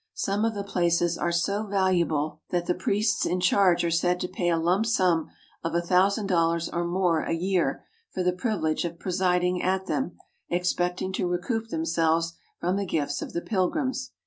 Some of the places are so valuable 107 THE HOLY LAND AND SYRIA that the priests in charge are said to pay a lump sum of a thousand dollars or more a year for the privilege of presiding at them, expecting to recoup themselves from the gifts of the pilgrims.